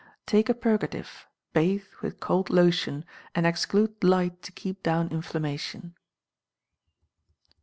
Take a purgative, bathe with cold lotion, and exclude light to keep down inflammation.